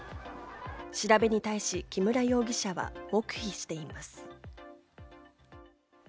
調べに対し木村容疑者は黙秘しています。